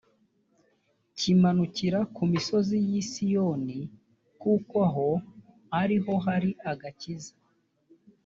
kimanukira ku misozi y’i siyoni kuko aho ari ho hari agakiza